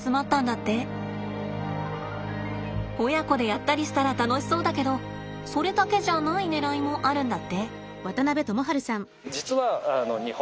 親子でやったりしたら楽しそうだけどそれだけじゃないねらいもあるんだって。